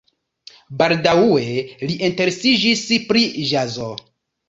Baldaŭe li interesiĝis pri ĵazo.